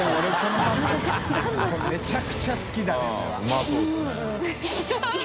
海豌めちゃくちゃ好きだ。